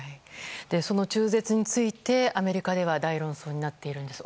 その中絶についてアメリカでは大論争になっているんです。